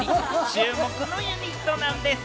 注目のユニットなんです。